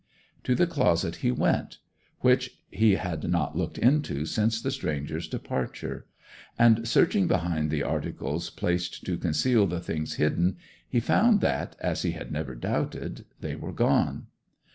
To the closet he went, which he had not looked into since the stranger's departure. And searching behind the articles placed to conceal the things hidden, he found that, as he had never doubted, they were gone.